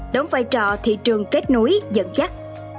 đống vai trò thị trường kết nối dẫn dắt